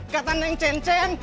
kata neng cen cen